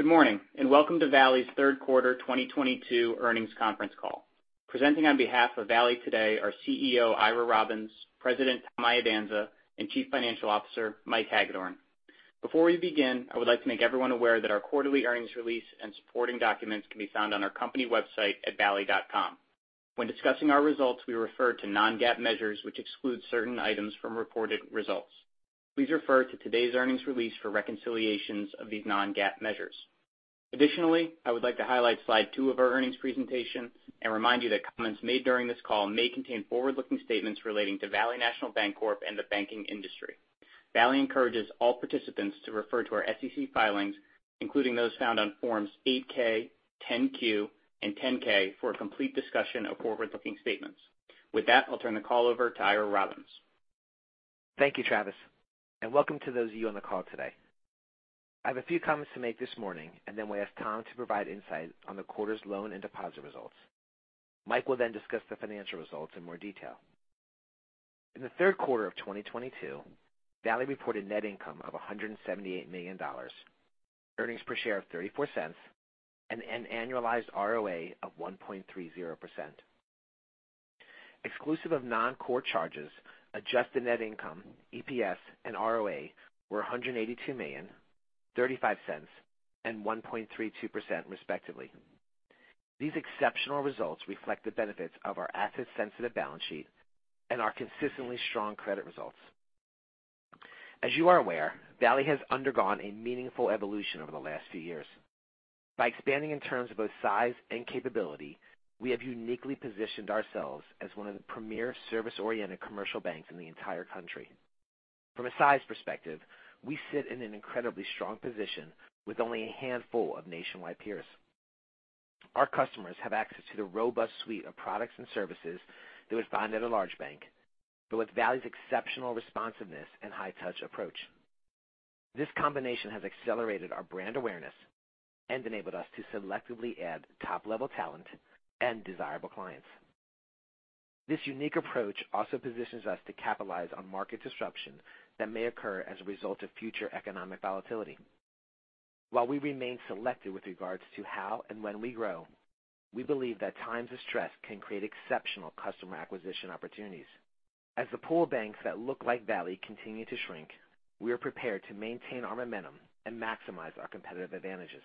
Good morning, and welcome to Valley's third quarter 2022 earnings conference call. Presenting on behalf of Valley today are CEO Ira Robbins, President Tom Iadanza, and Chief Financial Officer Mike Hagedorn. Before we begin, I would like to make everyone aware that our quarterly earnings release and supporting documents can be found on our company website at valley.com. When discussing our results, we refer to non-GAAP measures, which exclude certain items from reported results. Please refer to today's earnings release for reconciliations of these non-GAAP measures. Additionally, I would like to highlight slide two of our earnings presentation and remind you that comments made during this call may contain forward-looking statements relating to Valley National Bancorp and the banking industry. Valley encourages all participants to refer to our SEC filings, including those found on Forms 8-K, 10-Q, and 10-K, for a complete discussion of forward-looking statements. With that, I'll turn the call over to Ira Robbins. Thank you, Travis, and welcome to those of you on the call today. I have a few comments to make this morning, and then we'll ask Tom to provide insight on the quarter's loan and deposit results. Mike will then discuss the financial results in more detail. In the third quarter of 2022, Valley reported net income of $178 million, earnings per share of $0.34, and an annualized ROA of 1.30%. Exclusive of non-core charges, adjusted net income, EPS, and ROA were $182 million, $0.35, and 1.32% respectively. These exceptional results reflect the benefits of our asset-sensitive balance sheet and our consistently strong credit results. As you are aware, Valley has undergone a meaningful evolution over the last few years. By expanding in terms of both size and capability, we have uniquely positioned ourselves as one of the premier service-oriented commercial banks in the entire country. From a size perspective, we sit in an incredibly strong position with only a handful of nationwide peers. Our customers have access to the robust suite of products and services that was found at a large bank, but with Valley's exceptional responsiveness and high-touch approach. This combination has accelerated our brand awareness and enabled us to selectively add top-level talent and desirable clients. This unique approach also positions us to capitalize on market disruption that may occur as a result of future economic volatility. While we remain selective with regards to how and when we grow, we believe that times of stress can create exceptional customer acquisition opportunities. As the pool of banks that look like Valley continue to shrink, we are prepared to maintain our momentum and maximize our competitive advantages.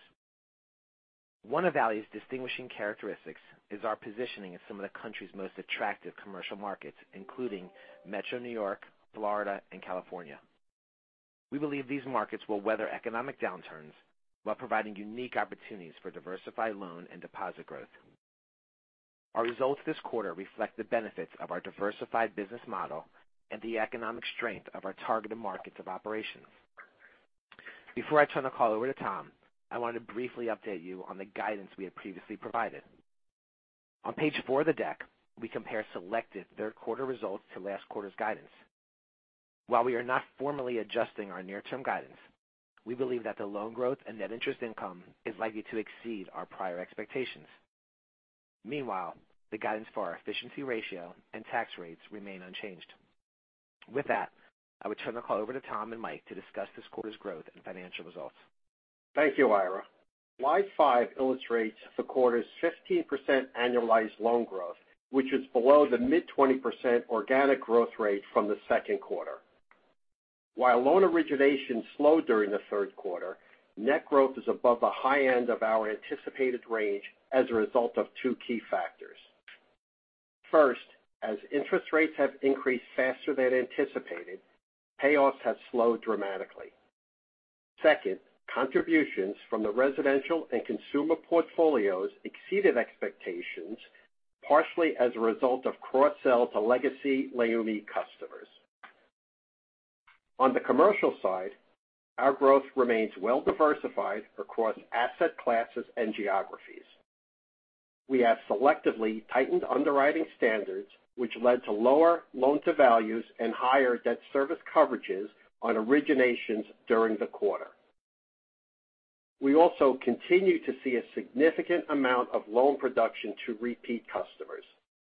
One of Valley's distinguishing characteristics is our positioning in some of the country's most attractive commercial markets, including Metro New York, Florida, and California. We believe these markets will weather economic downturns while providing unique opportunities for diversified loan and deposit growth. Our results this quarter reflect the benefits of our diversified business model and the economic strength of our targeted markets of operations. Before I turn the call over to Tom, I want to briefly update you on the guidance we had previously provided. On page four of the deck, we compare selected third quarter results to last quarter's guidance. While we are not formally adjusting our near-term guidance, we believe that the loan growth and net interest income is likely to exceed our prior expectations. Meanwhile, the guidance for our efficiency ratio and tax rates remain unchanged. With that, I would turn the call over to Tom Iadanza and Mike Hagedorn to discuss this quarter's growth and financial results. Thank you, Ira. Slide 5 illustrates the quarter's 15% annualized loan growth, which is below the mid-20% organic growth rate from the second quarter. While loan origination slowed during the third quarter, net growth is above the high end of our anticipated range as a result of two key factors. First, as interest rates have increased faster than anticipated, payoffs have slowed dramatically. Second, contributions from the residential and consumer portfolios exceeded expectations, partially as a result of cross-sell to legacy Leumi customers. On the commercial side, our growth remains well diversified across asset classes and geographies. We have selectively tightened underwriting standards, which led to lower loan-to-value and higher debt service coverage on originations during the quarter. We also continue to see a significant amount of loan production to repeat customers.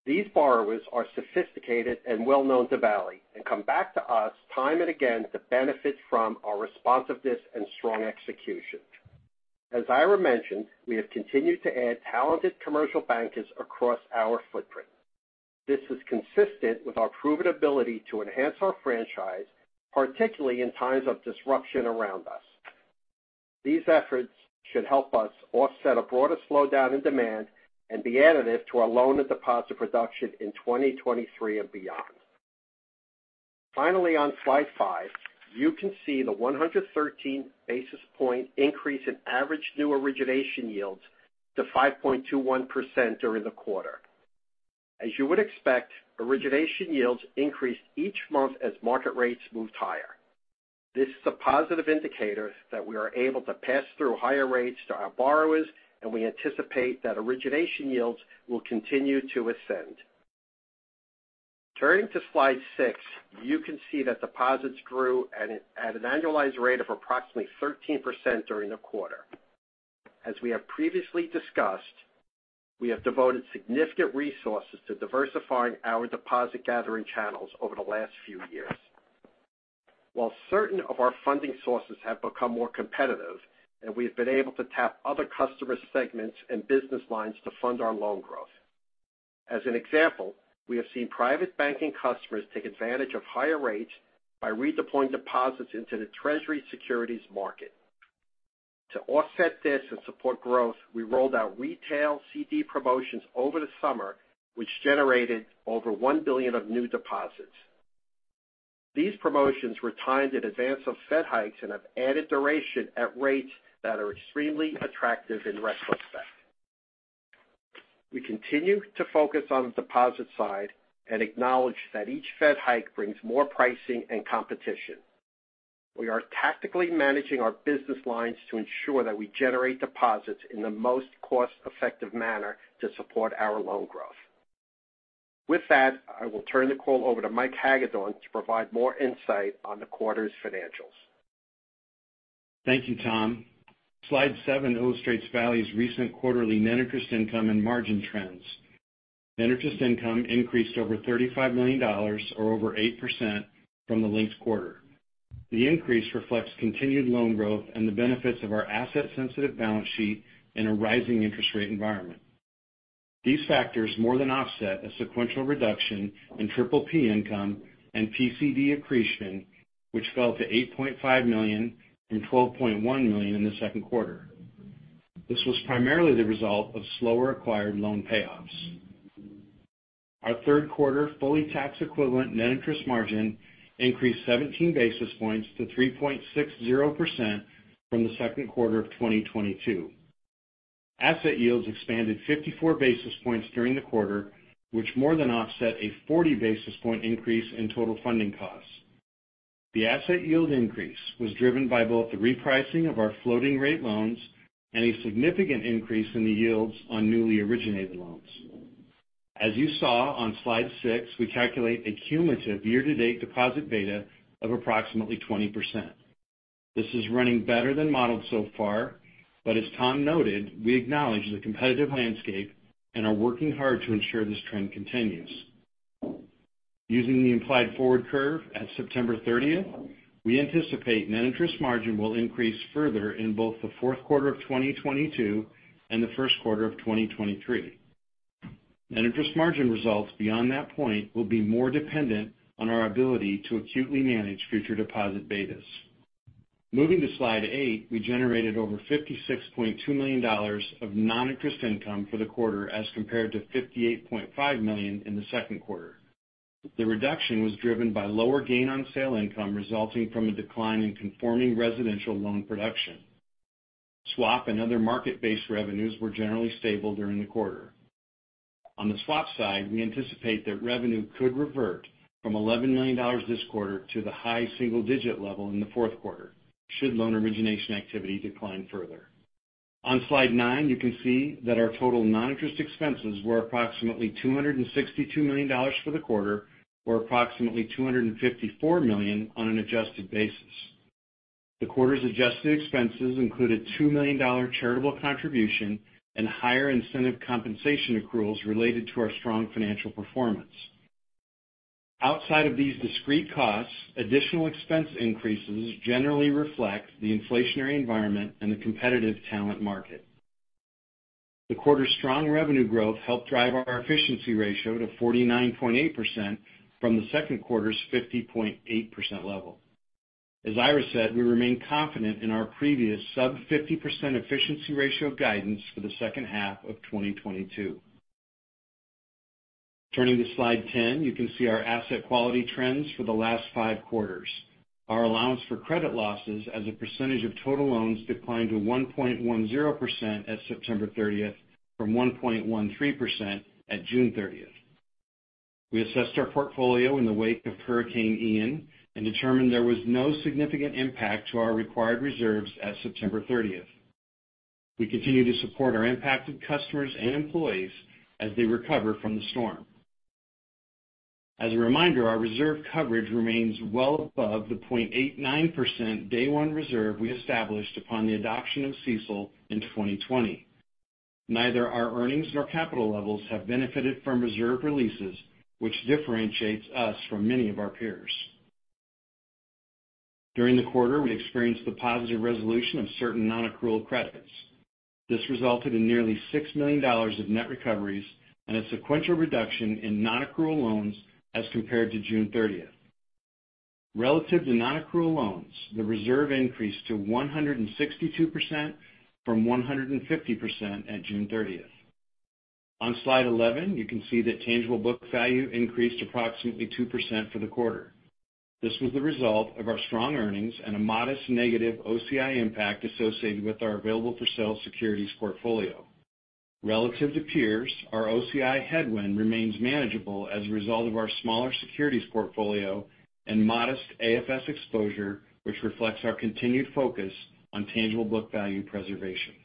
These borrowers are sophisticated and well-known to Valley and come back to us time and again to benefit from our responsiveness and strong execution. As Ira mentioned, we have continued to add talented commercial bankers across our footprint. This is consistent with our proven ability to enhance our franchise, particularly in times of disruption around us. These efforts should help us offset a broader slowdown in demand and be additive to our loan and deposit production in 2023 and beyond. Finally, on slide five, you can see the 113 basis point increase in average new origination yields to 5.21% during the quarter. As you would expect, origination yields increased each month as market rates moved higher. This is a positive indicator that we are able to pass through higher rates to our borrowers, and we anticipate that origination yields will continue to ascend. Turning to slide 6, you can see that deposits grew at an annualized rate of approximately 13% during the quarter. As we have previously discussed, we have devoted significant resources to diversifying our deposit gathering channels over the last few years. While certain of our funding sources have become more competitive, and we've been able to tap other customer segments and business lines to fund our loan growth. As an example, we have seen private banking customers take advantage of higher rates by redeploying deposits into the Treasury securities market. To offset this and support growth, we rolled out retail CD promotions over the summer, which generated over $1 billion of new deposits. These promotions were timed in advance of Fed hikes and have added duration at rates that are extremely attractive in retrospect. We continue to focus on the deposit side and acknowledge that each Fed hike brings more pricing and competition. We are tactically managing our business lines to ensure that we generate deposits in the most cost-effective manner to support our loan growth. With that, I will turn the call over to Michael Hagedorn to provide more insight on the quarter's financials. Thank you, Tom. Slide seven illustrates Valley's recent quarterly net interest income and margin trends. Net interest income increased over $35 million or over 8% from the linked quarter. The increase reflects continued loan growth and the benefits of our asset-sensitive balance sheet in a rising interest rate environment. These factors more than offset a sequential reduction in PPP income and PCD accretion, which fell to $8.5 million and $12.1 million in the second quarter. This was primarily the result of slower acquired loan payoffs. Our third quarter fully taxable equivalent net interest margin increased 17 basis points to 3.60% from the second quarter of 2022. Asset yields expanded 54 basis points during the quarter, which more than offset a 40 basis point increase in total funding costs. The asset yield increase was driven by both the repricing of our floating-rate loans and a significant increase in the yields on newly originated loans. As you saw on slide six, we calculate a cumulative year-to-date deposit beta of approximately 20%. This is running better than modeled so far, but as Tom noted, we acknowledge the competitive landscape and are working hard to ensure this trend continues. Using the implied forward curve at September 30, we anticipate net interest margin will increase further in both the fourth quarter of 2022 and the first quarter of 2023. Net interest margin results beyond that point will be more dependent on our ability to accurately manage future deposit betas. Moving to slide eight, we generated over $56.2 million of non-interest income for the quarter as compared to $58.5 million in the second quarter. The reduction was driven by lower gain on sale income resulting from a decline in conforming residential loan production. Swap and other market-based revenues were generally stable during the quarter. On the swap side, we anticipate that revenue could revert from $11 million this quarter to the high single-digit level in the fourth quarter should loan origination activity decline further. On slide nine, you can see that our total non-interest expenses were approximately $262 million for the quarter or approximately $254 million on an adjusted basis. The quarter's adjusted expenses included $2 million charitable contribution and higher incentive compensation accruals related to our strong financial performance. Outside of these discrete costs, additional expense increases generally reflect the inflationary environment and the competitive talent market. The quarter's strong revenue growth helped drive our efficiency ratio to 49.8% from the second quarter's 50.8% level. As Ira said, we remain confident in our previous sub 50% efficiency ratio guidance for the second half of 2022. Turning to slide 10, you can see our asset quality trends for the last five quarters. Our allowance for credit losses as a percentage of total loans declined to 1.10% at September 30 from 1.13% at June 30. We assessed our portfolio in the wake of Hurricane Ian and determined there was no significant impact to our required reserves at September 30. We continue to support our impacted customers and employees as they recover from the storm. As a reminder, our reserve coverage remains well above the 0.89% day one reserve we established upon the adoption of CECL in 2020. Neither our earnings nor capital levels have benefited from reserve releases, which differentiates us from many of our peers. During the quarter, we experienced the positive resolution of certain non-accrual credits. This resulted in nearly $6 million of net recoveries and a sequential reduction in non-accrual loans as compared to June 30. Relative to non-accrual loans, the reserve increased to 162% from 150% at June 30. On slide 11, you can see that tangible book value increased approximately 2% for the quarter. This was the result of our strong earnings and a modest negative OCI impact associated with our available for sale securities portfolio. Relative to peers, our OCI headwind remains manageable as a result of our smaller securities portfolio and modest AFS exposure, which reflects our continued focus on tangible book value preservation.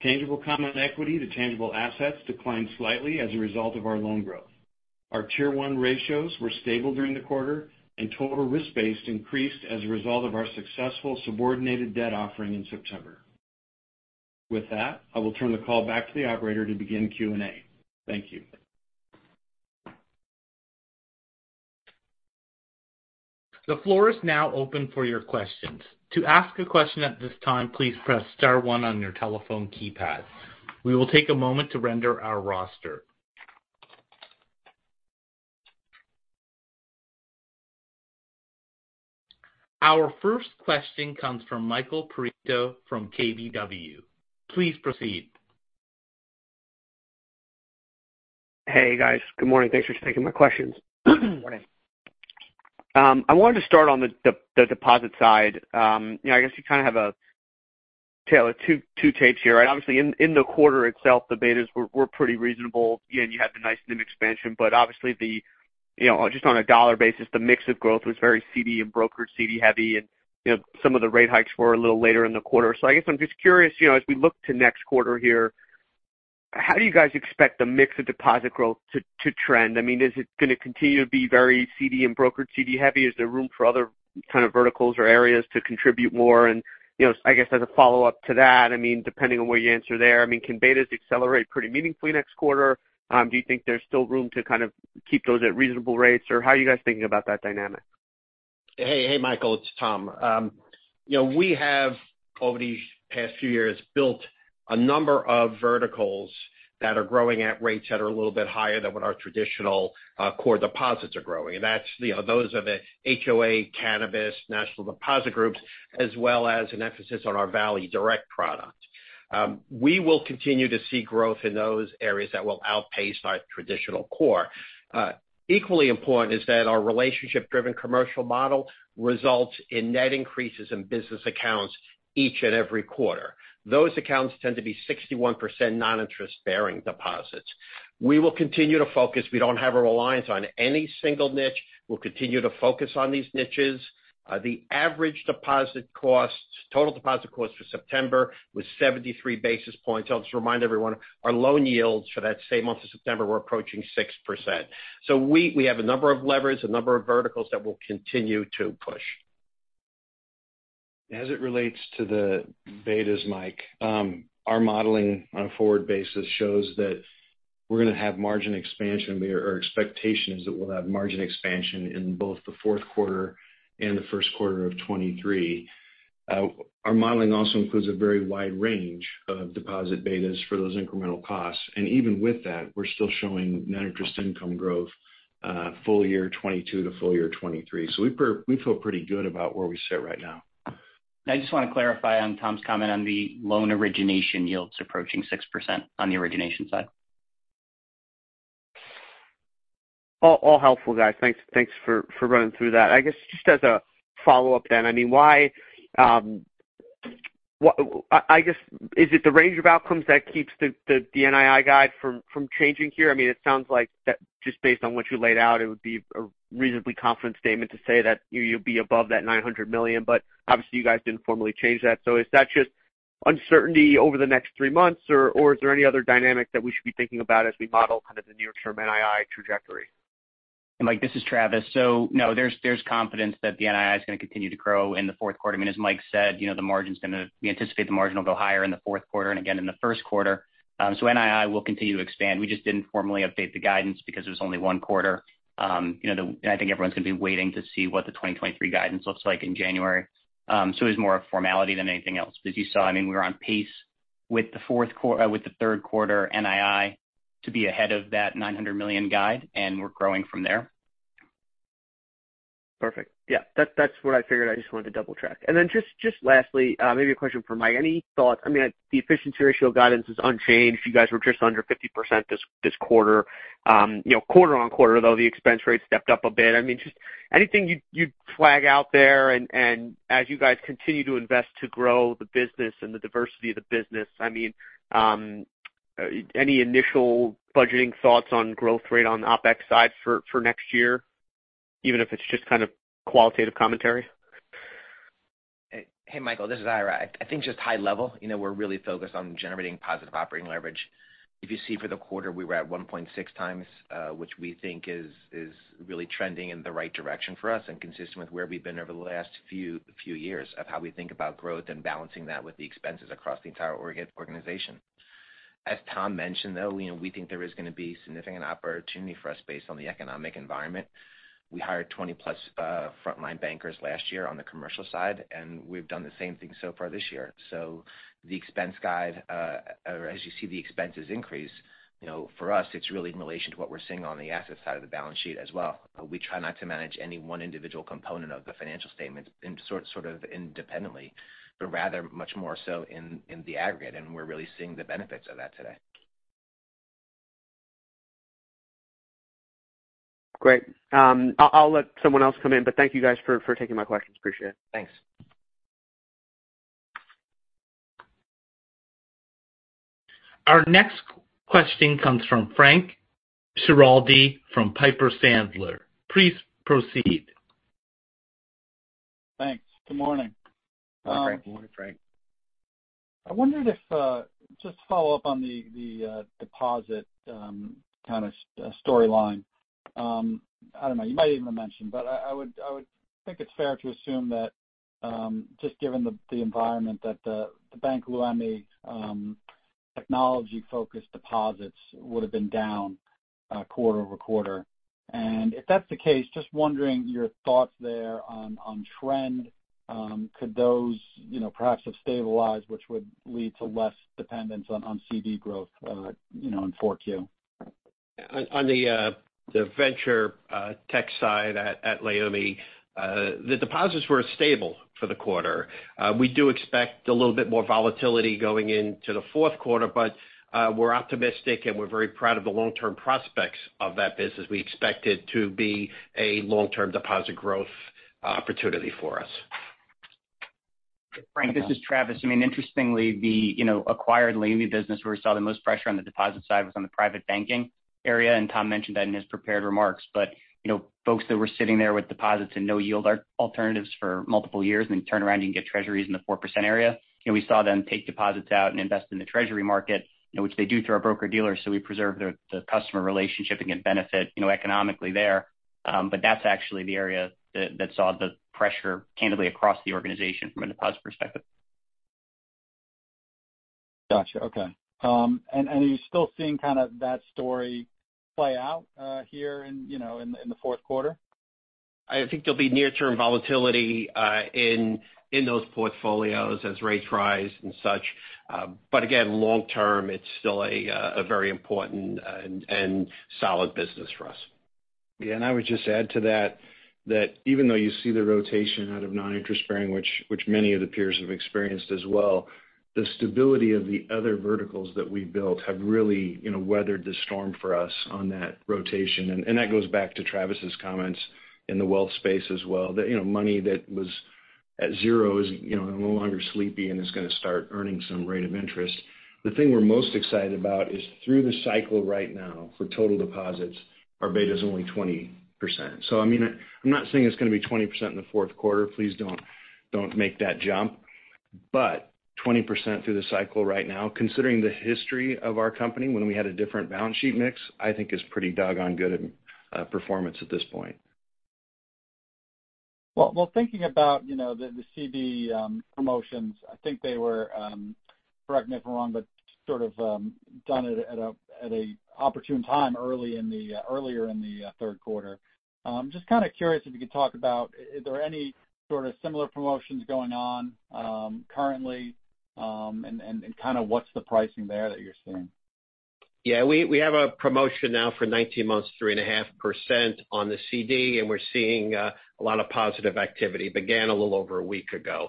Tangible common equity to tangible assets declined slightly as a result of our loan growth. Our Tier 1 ratios were stable during the quarter and total risk-based increased as a result of our successful subordinated debt offering in September. With that, I will turn the call back to the operator to begin Q&A. Thank you. The floor is now open for your questions. To ask a question at this time, please press star one on your telephone keypad. We will take a moment to render our roster. Our first question comes from Michael Perito from KBW. Please proceed. Hey, guys. Good morning. Thanks for taking my questions. Good morning. I wanted to start on the deposit side. You know, I guess you kind of have a tale of two tapes here. Obviously, in the quarter itself, the betas were pretty reasonable. You know, you had the nice NIM expansion, but obviously, you know, just on a dollar basis, the mix of growth was very CD and brokered CD heavy. You know, some of the rate hikes were a little later in the quarter. I guess I'm just curious, you know, as we look to next quarter here, how do you guys expect the mix of deposit growth to trend? I mean, is it going to continue to be very CD and brokered CD heavy? Is there room for other kind of verticals or areas to contribute more? you know, I guess as a follow-up to that, I mean, depending on where you answer there, I mean, can betas accelerate pretty meaningfully next quarter? Do you think there's still room to kind of keep those at reasonable rates? Or how are you guys thinking about that dynamic? Hey, hey, Michael, it's Tom. You know, we have, over these past few years, built a number of verticals that are growing at rates that are a little bit higher than what our traditional core deposits are growing. That's, you know, those of HOA, cannabis, national deposit groups, as well as an emphasis on our Valley Direct product. We will continue to see growth in those areas that will outpace our traditional core. Equally important is that our relationship-driven commercial model results in net increases in business accounts each and every quarter. Those accounts tend to be 61% non-interest-bearing deposits. We will continue to focus. We don't have a reliance on any single niche. We'll continue to focus on these niches. The average deposit costs, total deposit costs for September was 73 basis points. I'll just remind everyone, our loan yields for that same month of September were approaching 6%. We have a number of levers, a number of verticals that we'll continue to push. As it relates to the betas, Mike, our modeling on a forward basis shows that we're going to have margin expansion. Our expectation is that we'll have margin expansion in both the fourth quarter and the first quarter of 2023. Our modeling also includes a very wide range of deposit betas for those incremental costs. Even with that, we're still showing net interest income growth, full year 2022 to full year 2023. We feel pretty good about where we sit right now. I just want to clarify on Tom's comment on the loan origination yields approaching 6% on the origination side. All helpful, guys. Thanks for running through that. I guess just as a follow-up, I mean, why I guess, is it the range of outcomes that keeps the NII guide from changing here? I mean, it sounds like that just based on what you laid out, it would be a reasonably confident statement to say that you'll be above that $900 million, but obviously you guys didn't formally change that. Is that just uncertainty over the next three months, or is there any other dynamic that we should be thinking about as we model kind of the near term NII trajectory? Mike, this is Travis. No, there's confidence that the NII is going to continue to grow in the fourth quarter. I mean, as Mike said, you know, we anticipate the margin will go higher in the fourth quarter and again in the first quarter. NII will continue to expand. We just didn't formally update the guidance because it was only one quarter. You know, I think everyone's going to be waiting to see what the 2023 guidance looks like in January. It was more a formality than anything else. As you saw, I mean, we were on pace with the third quarter NII to be ahead of that $900 million guide, and we're growing from there. Perfect. Yeah, that's what I figured. I just wanted to double-check. Then just lastly, maybe a question for Mike. Any thoughts? I mean, the efficiency ratio guidance is unchanged. You guys were just under 50% this quarter. You know, quarter-over-quarter, though, the expense rate stepped up a bit. I mean, just anything you'd flag out there and as you guys continue to invest to grow the business and the diversity of the business, I mean, any initial budgeting thoughts on growth rate on the OpEx side for next year, even if it's just kind of qualitative commentary? Hey, Michael, this is Ira. I think just high level, you know, we're really focused on generating positive operating leverage. If you see for the quarter, we were at 1.6x, which we think is really trending in the right direction for us and consistent with where we've been over the last few years of how we think about growth and balancing that with the expenses across the entire organization. As Tom mentioned, though, you know, we think there is going to be significant opportunity for us based on the economic environment. We hired 20+ frontline bankers last year on the commercial side, and we've done the same thing so far this year. The expense guide, or as you see the expenses increase, you know, for us, it's really in relation to what we're seeing on the asset side of the balance sheet as well. We try not to manage any one individual component of the financial statement in sort of independently, but rather much more so in the aggregate. We're really seeing the benefits of that today. Great. I'll let someone else come in, but thank you guys for taking my questions. Appreciate it. Thanks. Our next question comes from Frank Schiraldi from Piper Sandler. Please proceed. Thanks. Good morning. Hi, Frank. Good morning, Frank. I wondered if just to follow up on the deposit kind of story line. I don't know, you might even have mentioned, but I would think it's fair to assume that just given the environment that the Bank Leumi technology-focused deposits would have been down quarter-over-quarter. If that's the case, just wondering your thoughts there on trend. Could those, you know, perhaps have stabilized, which would lead to less dependence on CD growth, you know, in 4Q? On the venture tech side at Leumi, the deposits were stable for the quarter. We do expect a little bit more volatility going into the fourth quarter, but we're optimistic, and we're very proud of the long-term prospects of that business. We expect it to be a long-term deposit growth opportunity for us. Frank, this is Travis. I mean, interestingly, you know, acquired Leumi business where we saw the most pressure on the deposit side was on the private banking area, and Tom mentioned that in his prepared remarks. You know, folks that were sitting there with deposits and no yield alternatives for multiple years, and then you turn around and get Treasuries in the 4% area. You know, we saw them take deposits out and invest in the Treasury market, you know, which they do through our broker-dealer, so we preserve the customer relationship and get benefit, you know, economically there. That's actually the area that saw the pressure candidly across the organization from a deposit perspective. Gotcha. Okay. Are you still seeing kind of that story play out, here in, you know, in the fourth quarter? I think there'll be near-term volatility in those portfolios as rates rise and such. Again, long-term, it's still a very important and solid business for us. Yeah. I would just add to that even though you see the rotation out of non-interest bearing, which many of the peers have experienced as well, the stability of the other verticals that we've built have really, you know, weathered the storm for us on that rotation. That goes back to Travis's comments in the wealth space as well, that, you know, money that was at zero is, you know, no longer sleepy and is gonna start earning some rate of interest. The thing we're most excited about is through the cycle right now for total deposits, our beta's only 20%. I mean, I'm not saying it's gonna be 20% in the fourth quarter. Please don't make that jump. 20% through the cycle right now, considering the history of our company when we had a different balance sheet mix, I think is pretty doggone good performance at this point. Well, thinking about, you know, the CD promotions, I think they were correct me if I'm wrong, but sort of done at a opportune time earlier in the third quarter. Just kind of curious if you could talk about are there any sort of similar promotions going on currently? Kind of what's the pricing there that you're seeing? Yeah. We have a promotion now for 19 months, 3.5% on the CD, and we're seeing a lot of positive activity. Began a little over a week ago.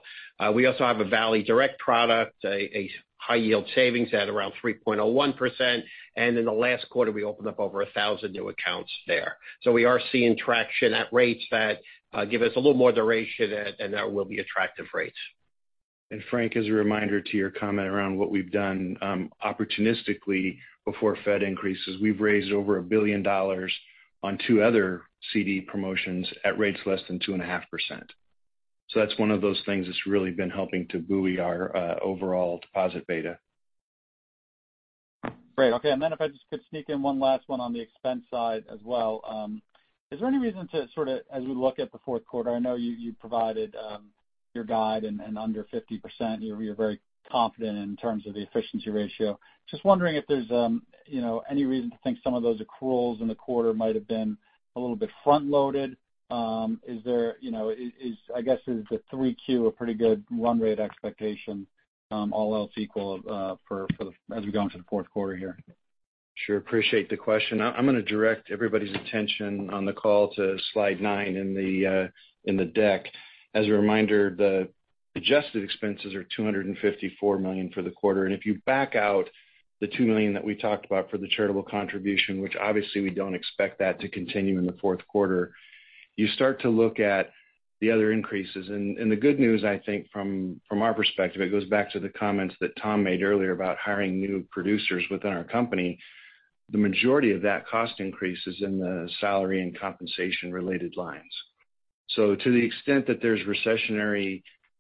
We also have a Valley Direct product, a high-yield savings at around 3.01%. In the last quarter, we opened up over 1,000 new accounts there. We are seeing traction at rates that give us a little more duration and that will be attractive rates. Frank, as a reminder to your comment around what we've done opportunistically before Fed increases. We've raised over $1 billion on two other CD promotions at rates less than 2.5%. That's one of those things that's really been helping to buoy our overall deposit beta. Great. Okay. If I just could sneak in one last one on the expense side as well. Is there any reason to sort of, as we look at the fourth quarter, I know you provided your guide and under 50%, you're very confident in terms of the efficiency ratio. Just wondering if there's you know, any reason to think some of those accruals in the quarter might have been a little bit front-loaded. Is there you know, I guess the 3Q a pretty good run rate expectation, all else equal, for the, as we go into the fourth quarter here? Sure. Appreciate the question. I'm gonna direct everybody's attention on the call to slide 9 in the deck. As a reminder, the adjusted expenses are $254 million for the quarter. If you back out the $2 million that we talked about for the charitable contribution, which obviously we don't expect that to continue in the fourth quarter, you start to look at the other increases. The good news, I think from our perspective, it goes back to the comments that Tom made earlier about hiring new producers within our company. The majority of that cost increase is in the salary and compensation related lines. To the extent that there's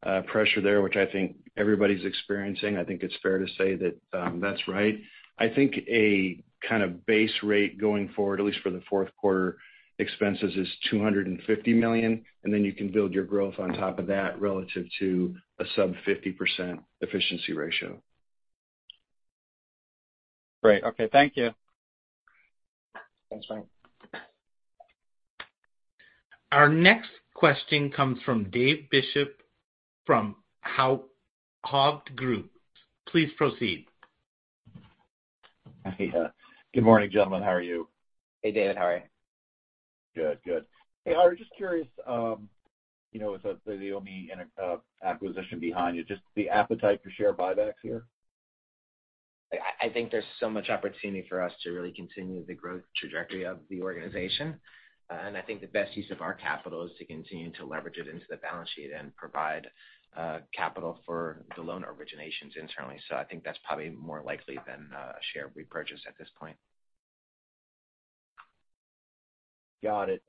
recessionary pressure there, which I think everybody's experiencing, I think it's fair to say that that's right. I think a kind of base rate going forward, at least for the fourth quarter expenses, is $250 million, and then you can build your growth on top of that relative to a sub 50% efficiency ratio. Great. Okay. Thank you. Thanks, Frank. Our next question comes from David Bishop from Hovde Group. Please proceed. Good morning, gentlemen. How are you? Hey, David. How are you? Good. Hey, I was just curious, you know, with the Leumi acquisition behind you, just the appetite for share buybacks here. I think there's so much opportunity for us to really continue the growth trajectory of the organization. I think the best use of our capital is to continue to leverage it into the balance sheet and provide capital for the loan originations internally. I think that's probably more likely than a share repurchase at this point. Got it.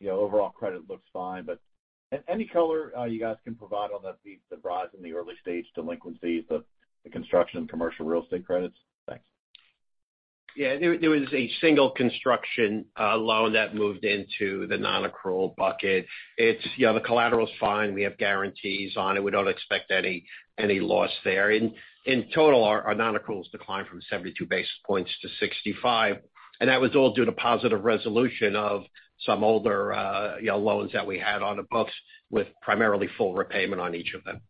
You know, overall credit looks fine, but any color you guys can provide on the rise in the early-stage delinquencies of the construction commercial real estate credits? Thanks. Yeah. There was a single construction loan that moved into the nonaccrual bucket. Yeah, the collateral is fine. We have guarantees on it. We don't expect any loss there. In total our nonaccruals declined from 72 basis points to 65, and that was all due to positive resolution of some older, you know, loans that we had on the books with primarily full repayment on each of them.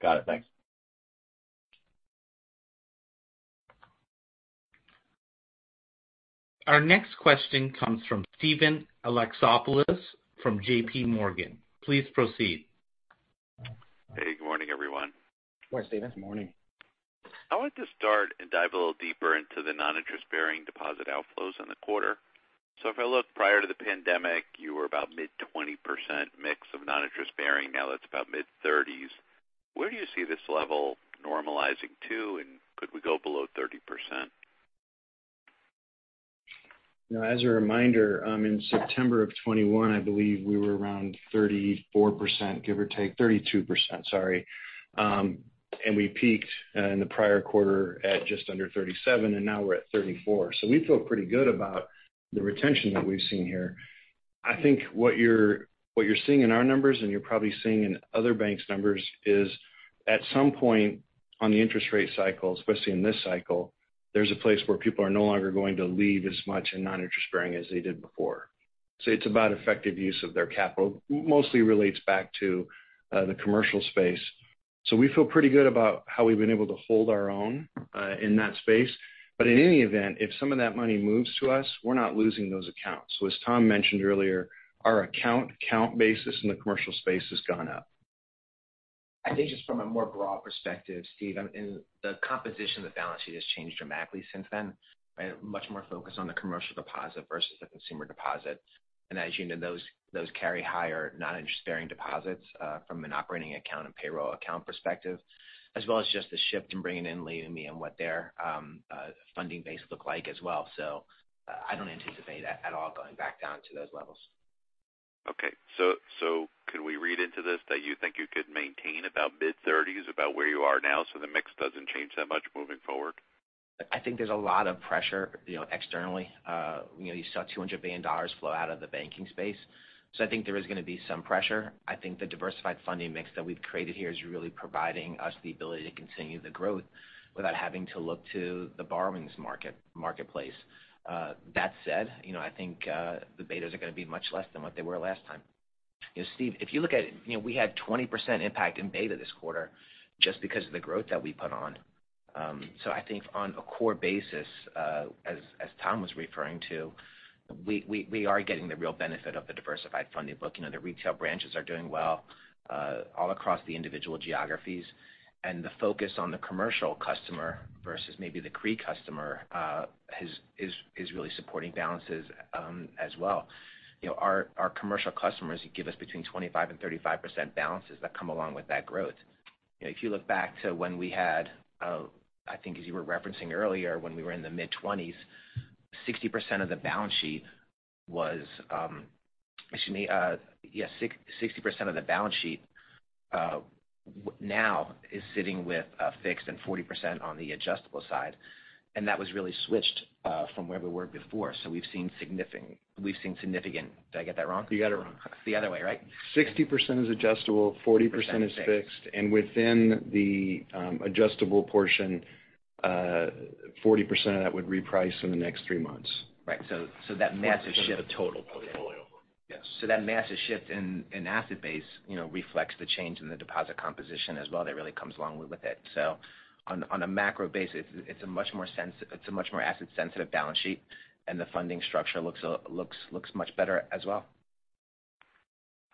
Got it. Thanks. Our next question comes from Steven Alexopoulos from JPMorgan. Please proceed. Hey, good morning, everyone. Good morning, Steven. Morning. I want to start and dive a little deeper into the non-interest-bearing deposit outflows in the quarter. If I look prior to the pandemic, you were about mid-20% mix of non-interest-bearing. Now it's about mid-30s. Where do you see this level normalizing to? And could we go below 30%? You know, as a reminder, in September of 2021, I believe we were around 34%, give or take. 32%, sorry. We peaked in the prior quarter at just under 37%, and now we're at 34%. We feel pretty good about the retention that we've seen here. I think what you're seeing in our numbers and you're probably seeing in other banks' numbers is at some point on the interest rate cycle, especially in this cycle, there's a place where people are no longer going to leave as much in non-interest bearing as they did before. It's about effective use of their capital. Mostly relates back to the commercial space. We feel pretty good about how we've been able to hold our own in that space. In any event, if some of that money moves to us, we're not losing those accounts. As Tom mentioned earlier, our account count basis in the commercial space has gone up. I think just from a more broad perspective, Steven, in the composition of the balance sheet has changed dramatically since then. Much more focused on the commercial deposit versus the consumer deposits. As you know, those carry higher non-interest bearing deposits from an operating account and payroll account perspective, as well as just the shift in bringing in Leumi and what their funding base look like as well. I don't anticipate that at all going back down to those levels. Can we read into this that you think you could maintain about mid-30s, about where you are now, so the mix doesn't change that much moving forward? I think there's a lot of pressure, you know, externally. You know, you saw $200 billion flow out of the banking space. I think there is gonna be some pressure. I think the diversified funding mix that we've created here is really providing us the ability to continue the growth without having to look to the borrowings marketplace. That said, you know, I think the betas are gonna be much less than what they were last time. You know, Steve, if you look at, you know, we had 20% impact in beta this quarter just because of the growth that we put on. I think on a core basis, as Tom was referring to, we are getting the real benefit of the diversified funding book. You know, the retail branches are doing well all across the individual geographies. The focus on the commercial customer versus maybe the CRE customer is really supporting balances as well. You know, our commercial customers give us between 25% and 35% balances that come along with that growth. You know, if you look back to when we had, I think as you were referencing earlier, when we were in the mid-20s, 60% of the balance sheet was now sitting with fixed and 40% on the adjustable side. That was really switched from where we were before. We've seen significant. Did I get that wrong? You got it wrong. The other way, right? 60% is adjustable, 40% is fixed. Within the adjustable portion, 40% of that would reprice in the next three months. Right. That massive shift. Sort of the total portfolio. Yes. That massive shift in asset base, you know, reflects the change in the deposit composition as well that really comes along with it. On a macro basis, it's a much more asset-sensitive balance sheet, and the funding structure looks much better as well.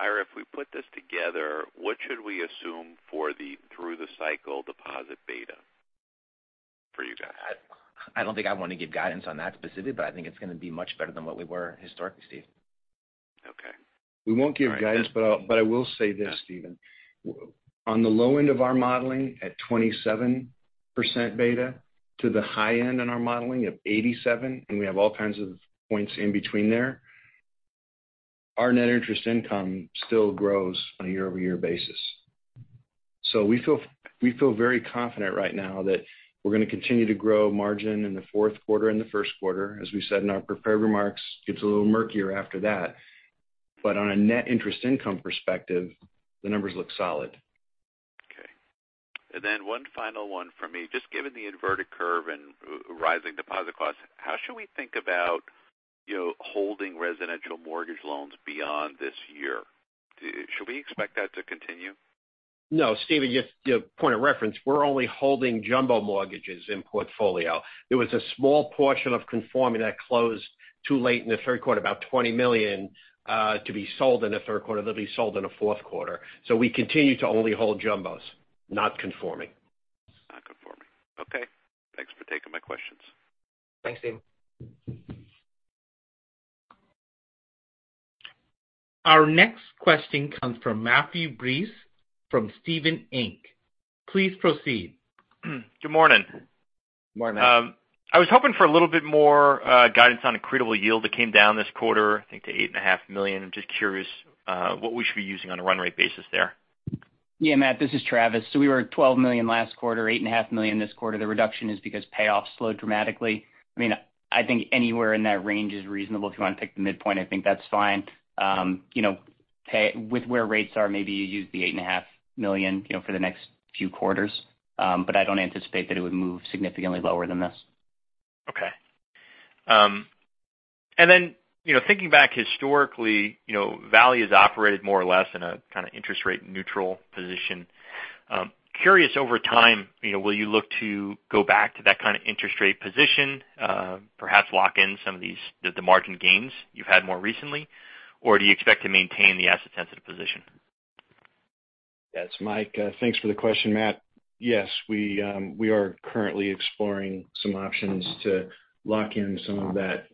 Ira, if we put this together, what should we assume for the through the cycle deposit beta for you guys? I don't think I want to give guidance on that specific, but I think it's gonna be much better than what we were historically, Steven. Okay. We won't give guidance, but I will say this, Steven. On the low end of our modeling at 27% beta to the high end in our modeling of 87, and we have all kinds of points in between there, our net interest income still grows on a year-over-year basis. We feel very confident right now that we're gonna continue to grow margin in the fourth quarter and the first quarter. As we said in our prepared remarks, gets a little murkier after that. On a net interest income perspective, the numbers look solid. Okay. One final one for me. Just given the inverted curve and rising deposit costs, how should we think about, you know, holding residential mortgage loans beyond this year? Should we expect that to continue? No, Steven, just, you know, point of reference, we're only holding jumbo mortgages in portfolio. There was a small portion of conforming that closed too late in the third quarter, about $20 million to be sold in the third quarter. They'll be sold in the fourth quarter. We continue to only hold jumbos, not conforming. Not conforming. Okay. Thanks for taking my questions. Thanks, Steven. Our next question comes from Matthew Breese from Stephens Inc. Please proceed. Good morning. Morning. I was hoping for a little bit more guidance on accretable yield that came down this quarter, I think to $8.5 million. I'm just curious what we should be using on a run rate basis there. Yeah, Matt, this is Travis. We were at $12 million last quarter, $8.5 million this quarter. The reduction is because payoffs slowed dramatically. I mean, I think anywhere in that range is reasonable. If you want to pick the midpoint, I think that's fine. You know, with where rates are, maybe you use the $8.5 million, you know, for the next few quarters. I don't anticipate that it would move significantly lower than this. Okay. You know, thinking back historically, you know, Valley has operated more or less in a kind of interest rate neutral position. Curious over time, you know, will you look to go back to that kind of interest rate position, perhaps lock in some of these the margin gains you've had more recently? Or do you expect to maintain the asset sensitive position? That's Mike. Thanks for the question, Matt. Yes, we are currently exploring some options to lock in some of that,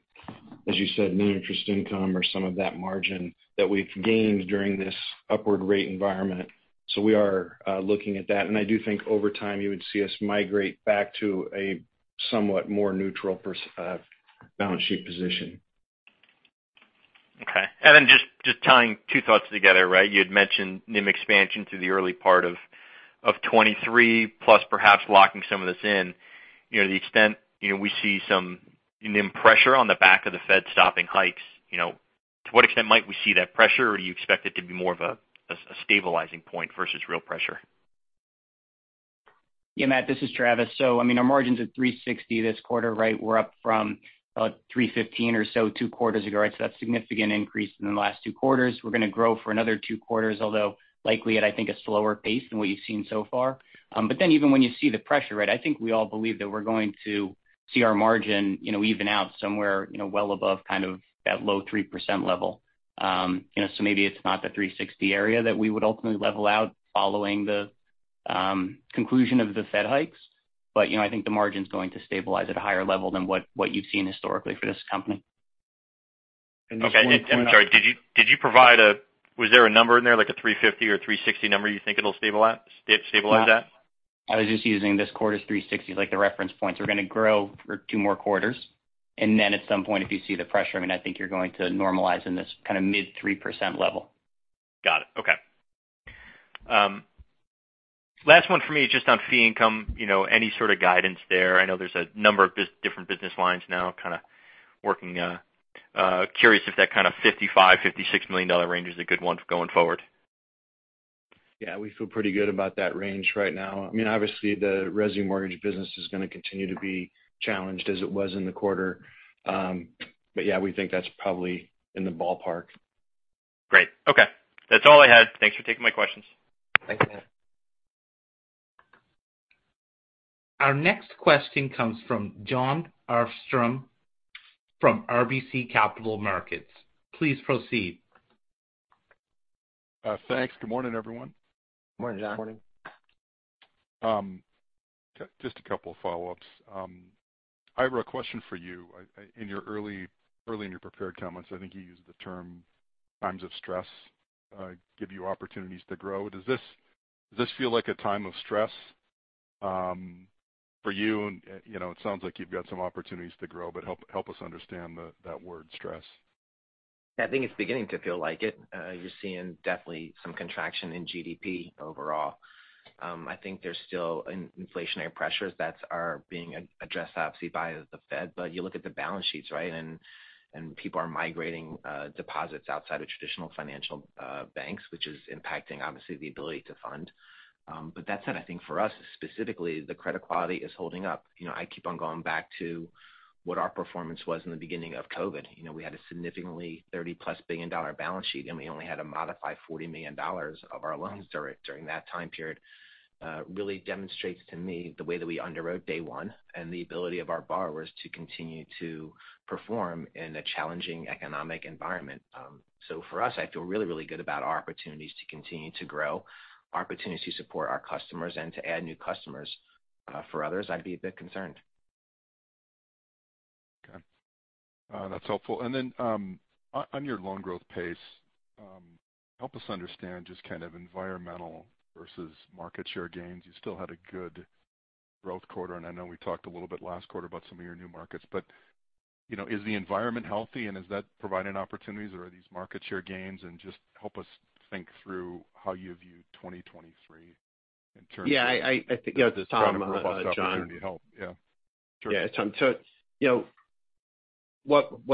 as you said, new interest income or some of that margin that we've gained during this upward rate environment. We are looking at that. I do think over time, you would see us migrate back to a somewhat more neutral balance sheet position. Okay. Just tying two thoughts together, right? You had mentioned NIM expansion through the early part of 2023, plus perhaps locking some of this in. You know, to what extent, you know, we see some NIM pressure on the back of the Fed stopping hikes, you know, to what extent might we see that pressure? Or do you expect it to be more of a stabilizing point versus real pressure? Yeah, Matt, this is Travis. I mean, our margins at 3.60% this quarter, right? We're up from about 3.15% or so two quarters ago, right? That's significant increase in the last two quarters. We're gonna grow for another two quarters, although likely at, I think, a slower pace than what you've seen so far. But then even when you see the pressure, right, I think we all believe that we're going to see our margin, you know, even out somewhere, you know, well above kind of that low 3% level. You know, so maybe it's not the 3.60% area that we would ultimately level out following the conclusion of the Fed hikes. But you know, I think the margin's going to stabilize at a higher level than what you've seen historically for this company. Okay. I'm sorry. Was there a number in there like a 3.50 or 3.60 number you think it'll stabilize at? I was just using this quarter's 360 as like the reference point. We're gonna grow for two more quarters, and then at some point, if you see the pressure, I mean, I think you're going to normalize in this kind of mid-3% level. Got it. Okay. Last one for me, just on fee income, you know, any sort of guidance there? I know there's a number of different business lines now kind of working. Curious if that kind of $55 million-$56 million range is a good one going forward. Yeah. We feel pretty good about that range right now. I mean, obviously the resi mortgage business is gonna continue to be challenged as it was in the quarter. Yeah, we think that's probably in the ballpark. Great. Okay. That's all I had. Thanks for taking my questions. Thanks, Matt. Our next question comes from Jon Arfstrom from RBC Capital Markets. Please proceed. Thanks. Good morning, everyone. Morning, Jon. Morning. Just a couple of follow-ups. Ira, a question for you. In your early in your prepared comments, I think you used the term times of stress, give you opportunities to grow. Does this feel like a time of stress, for you? You know, it sounds like you've got some opportunities to grow, but help us understand that word stress. I think it's beginning to feel like it. You're seeing definitely some contraction in GDP overall. I think there's still an inflationary pressures that are being addressed, obviously, by the Fed. You look at the balance sheets, right, and people are migrating deposits outside of traditional financial banks, which is impacting obviously the ability to fund. That said, I think for us specifically, the credit quality is holding up. You know, I keep on going back to what our performance was in the beginning of COVID. You know, we had a significantly $30+ billion balance sheet, and we only had to modify $40 million of our loans during that time period. Really demonstrates to me the way that we underwrote day one and the ability of our borrowers to continue to perform in a challenging economic environment. For us, I feel really good about our opportunities to continue to grow, our opportunity to support our customers and to add new customers. For others, I'd be a bit concerned. Okay, that's helpful. On your loan growth pace, help us understand just kind of environmental versus market share gains. You still had a good growth quarter, and I know we talked a little bit last quarter about some of your new markets, but you know, is the environment healthy, and is that providing opportunities, or are these market share gains? Just help us think through how you view 2023 in terms of. Yeah, I think as Tom. Trying to grow by opportunity to help. Yeah. Yeah. You know, what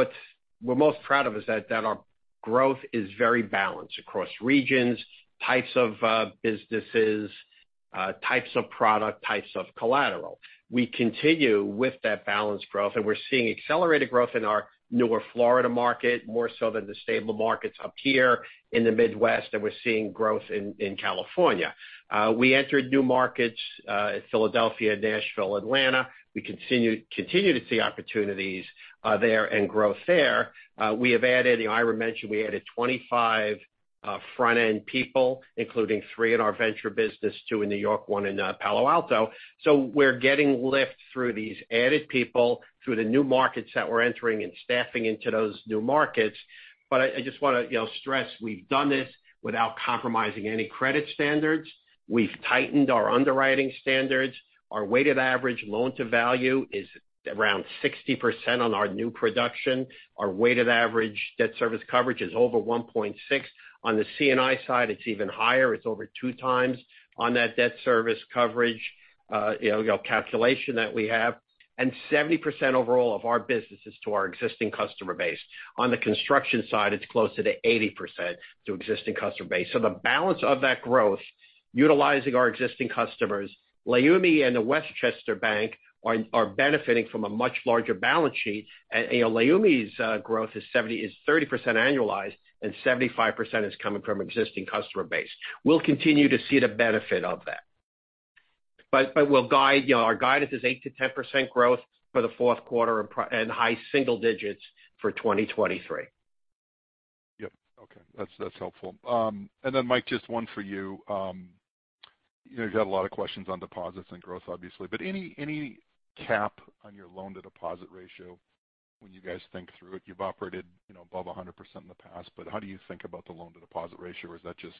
we're most proud of is that our growth is very balanced across regions, types of businesses, types of product, types of collateral. We continue with that balanced growth, and we're seeing accelerated growth in our newer Florida market, more so than the stable markets up here in the Mid-Atlantic, and we're seeing growth in California. We entered new markets, Philadelphia, Nashville, Atlanta. We continue to see opportunities there and growth there. We have added, you know, Ira mentioned we added 25 Front-end people, including three in our venture business, two in New York, one in Palo Alto. We're getting lift through these added people through the new markets that we're entering and staffing into those new markets. I just wanna, you know, stress we've done this without compromising any credit standards. We've tightened our underwriting standards. Our weighted average loan-to-value is around 60% on our new production. Our weighted average debt service coverage is over 1.6. On the C&I side, it's even higher. It's over two times on that debt service coverage, you know, calculation that we have. Seventy percent overall of our business is to our existing customer base. On the construction side, it's closer to 80% to existing customer base. The balance of that growth, utilizing our existing customers, Leumi and The Westchester Bank are benefiting from a much larger balance sheet. You know, Leumi's growth is 30% annualized, and 75% is coming from existing customer base. We'll continue to see the benefit of that. We'll guide. You know, our guidance is 8%-10% growth for the fourth quarter, and high single digits for 2023. Yep. Okay, that's helpful. Mike, just one for you. You know, you've got a lot of questions on deposits and growth, obviously. Any cap on your loan-to-deposit ratio when you guys think through it? You've operated above 100% in the past, but how do you think about the loan-to-deposit ratio, or is that just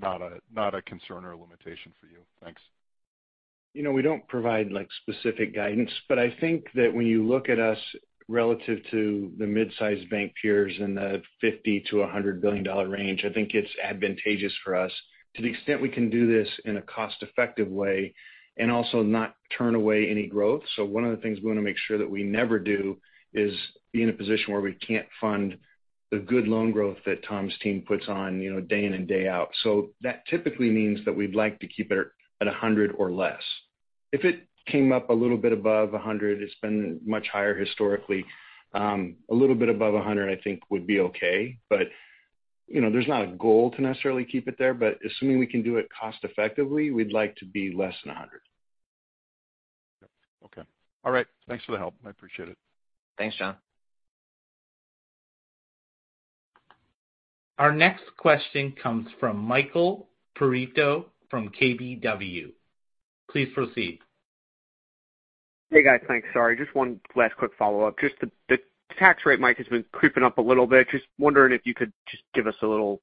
not a concern or a limitation for you? Thanks. You know, we don't provide, like, specific guidance, but I think that when you look at us relative to the mid-size bank peers in the $50 billion-$100 billion range, I think it's advantageous for us to the extent we can do this in a cost-effective way and also not turn away any growth. One of the things we wanna make sure that we never do is be in a position where we can't fund the good loan growth that Tom's team puts on, you know, day in and day out. That typically means that we'd like to keep it at 100 or less. If it came up a little bit above 100, it's been much higher historically. A little bit above 100 I think would be okay. You know, there's not a goal to necessarily keep it there. Assuming we can do it cost effectively, we'd like to be less than 100. Okay. All right. Thanks for the help. I appreciate it. Thanks, Jon. Our next question comes from Michael Perito from KBW. Please proceed. Hey, guys. Thanks. Sorry, just one last quick follow-up. Just the tax rate, Michael, has been creeping up a little bit. Just wondering if you could just give us a little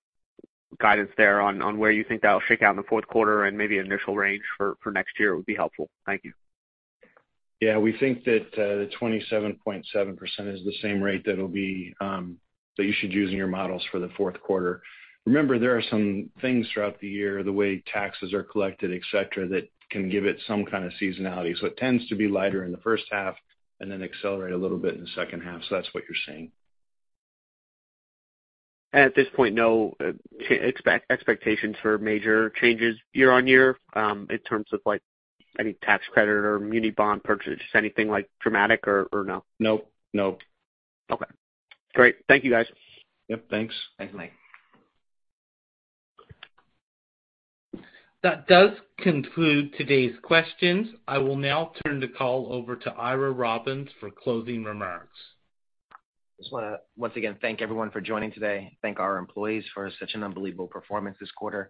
guidance there on where you think that'll shake out in the fourth quarter and maybe initial range for next year would be helpful. Thank you. Yeah, we think that the 27.7% is the same rate that'll be that you should use in your models for the fourth quarter. Remember, there are some things throughout the year, the way taxes are collected, et cetera, that can give it some kinda seasonality. It tends to be lighter in the first half and then accelerate a little bit in the second half. That's what you're seeing. At this point, no expectations for major changes year-over-year, in terms of, like, any tax credit or muni bond purchases, anything, like, dramatic or no? No. No. Okay. Great. Thank you, guys. Yep, thanks. Thanks, Mike. That does conclude today's questions. I will now turn the call over to Ira Robbins for closing remarks. Just wanna once again thank everyone for joining today. Thank our employees for such an unbelievable performance this quarter,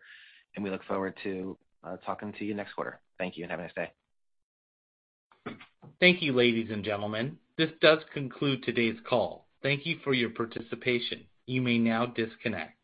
and we look forward to talking to you next quarter. Thank you, and have a nice day. Thank you, ladies and gentlemen. This does conclude today's call. Thank you for your participation. You may now disconnect.